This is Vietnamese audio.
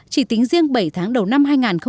chỉ tính riêng bảy tháng đầu năm hai nghìn một mươi tám